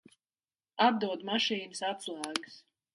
Atdod mašīnas atslēgas.